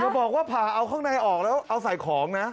บอกว่าผ่าเอาข้างในออกแล้วเอาใส่ของนะ